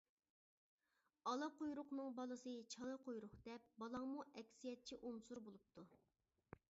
ئالا قۇيرۇقنىڭ بالىسى چالا قۇيرۇق دەپ، بالاڭمۇ ئەكسىيەتچى ئۇنسۇر بولۇپتۇ!